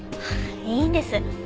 いいんです。